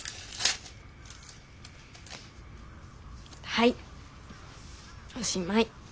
はいおしまい。